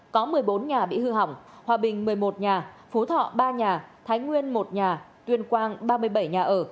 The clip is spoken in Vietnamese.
có một mươi bốn nhà bị hư hỏng hòa bình một mươi một nhà phú thọ ba nhà thái nguyên một nhà tuyên quang ba mươi bảy nhà ở